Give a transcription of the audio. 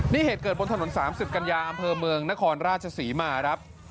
นี่เหตุเกิดบนถนน๓๐กัญญาอเมืองนครราชสีมาครับ